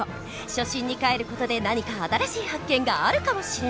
初心にかえる事で何か新しい発見があるかもしれない！